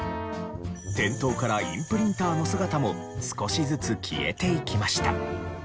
店頭からインプリンターの姿も少しずつ消えていきました。